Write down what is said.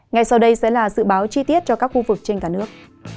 ngày sau đây sẽ là sự báo chi tiết cho các khu vực trên cả nước